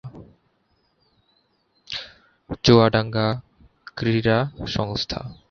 চুয়াডাঙ্গা ক্রীড়া সংস্থা